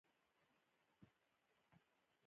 آیا ایران له هند سره ښه اړیکې نلري؟